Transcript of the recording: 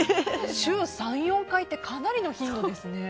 週３４回ってかなりの頻度ですね。